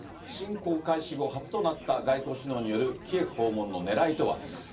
侵攻開始後、初となった外交首脳によるキエフ訪問のねらいとは。